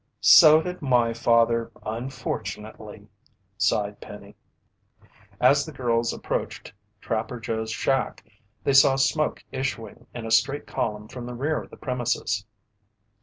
"So did my father, unfortunately," sighed Penny. As the girls approached Trapper Joe's shack, they saw smoke issuing in a straight column from the rear of the premises.